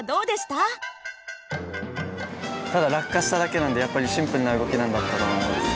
ただ落下しただけなんでやっぱりシンプルな動きだったと思います。